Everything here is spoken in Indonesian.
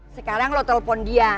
sekarang lo telpon dia